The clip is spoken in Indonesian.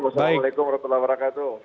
assalamualaikum warahmatullahi wabarakatuh